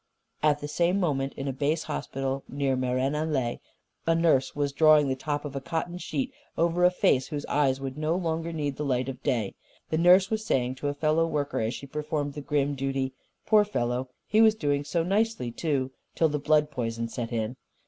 _" (At the same moment, in a base hospital near Meran en Laye, a nurse was drawing the top of a cotton sheet over a face whose eyes would no longer need the light of day. The nurse was saying to a fellow worker, as she performed the grim duty: "Poor fellow! He was doing so nicely, too, till the blood poison set in....